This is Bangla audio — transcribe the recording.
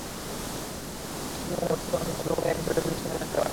বাফাতে সন্তানদের ভর্তি করানোর জন্য অভিভাবকরাই বছরের বিভিন্ন সময় যোগাযোগ করতে থাকেন।